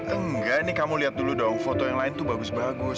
enggak nih kamu lihat dulu dong foto yang lain tuh bagus bagus